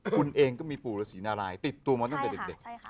คุณเองก็มีปู่ฤษีนารายติดตัวมาตั้งแต่เด็ก